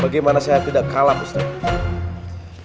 bagaimana saya tidak kalah maksudnya